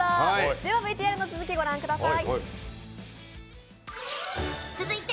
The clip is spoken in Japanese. では、ＶＴＲの続きをご覧ください。